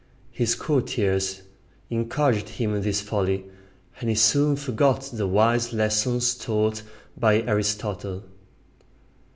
His courtiers encouraged him in this folly, and he soon forgot the wise lessons taught by Aristotle.